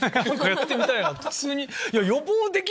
やってみたい。